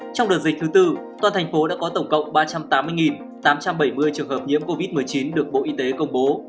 trong đợt dịch thứ tư toàn thành phố đã có tổng cộng ba trăm tám mươi tám trăm bảy mươi trường hợp nhiễm covid một mươi chín được bộ y tế công bố